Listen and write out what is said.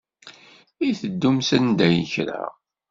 I teddumt sanda n kra?